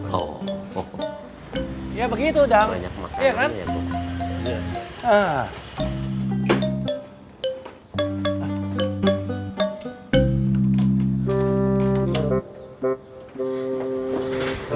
ya begitu dam